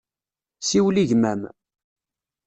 Siwel i gma-m.